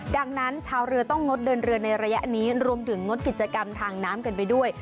ดังนั้นชาวเรือต้องงดเดินเรือในระยะนี้รวมถึงงดกิจกรรมทางน้ำกันไปด้วย